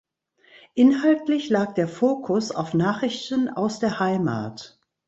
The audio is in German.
Inhaltlich lag der Fokus auf Nachrichten aus der Heimat.